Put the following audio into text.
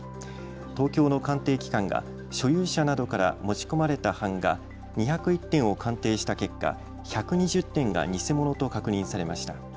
東京の鑑定機関が所有者などから持ち込まれた版画２０１点を鑑定した結果、１２０点が偽物と確認されました。